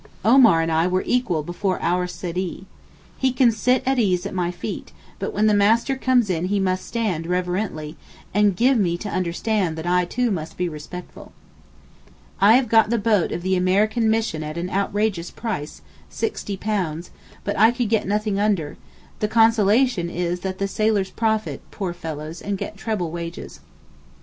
Omar and I were equal before our Seedee. He can sit at his ease at my feet, but when the Master comes in he must stand reverently, and gave me to understand that I too must be respectful. I have got the boat of the American Mission at an outrageous price, £60, but I could get nothing under; the consolation is that the sailors profit, poor fellows, and get treble wages.